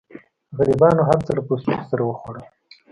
غریبانو هر څه له پوستکو سره وخوړل.